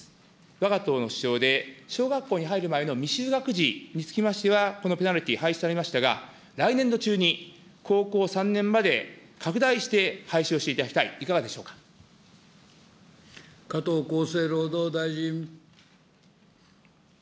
わが党の主張で、小学校に入る前の未就学児につきましては、このペナルティー廃止されましたが、来年度中に、高校３年まで拡大して廃止をしていただきたい、いか加藤厚生労働大臣。